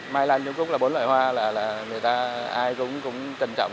mai là nhu cúc là bốn loại hoa là người ta ai cũng trân trọng